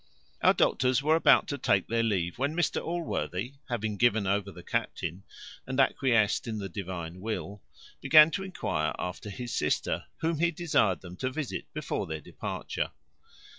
Our doctors were about to take their leave, when Mr Allworthy, having given over the captain, and acquiesced in the Divine will, began to enquire after his sister, whom he desired them to visit before their departure.